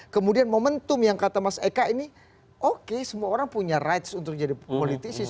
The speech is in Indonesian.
kemudian momentum yang kata mas eka ini oke semua orang punya rights untuk jadi politisi